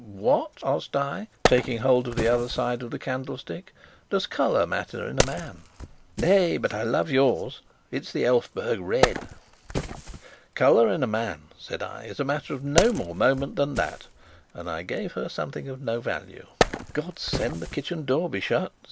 "What," asked I, taking hold of the other side of the candlestick, "does colour matter in a man?" "Nay, but I love yours it's the Elphberg red." "Colour in a man," said I, "is a matter of no more moment than that!" and I gave her something of no value. "God send the kitchen door be shut!"